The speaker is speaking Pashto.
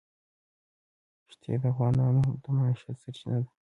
ښتې د افغانانو د معیشت سرچینه ده.